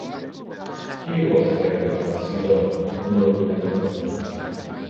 Qui viu al carrer de Cal Cisó número vuitanta-dos?